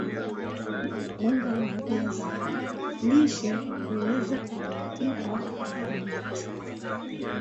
unga wa viazi lishe huweza kupikwa donati